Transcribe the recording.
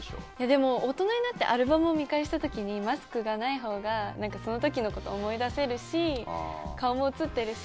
でも、大人になってアルバムを見返した時にマスクがないほうがその時のことを思い出せるし顔も写ってるし。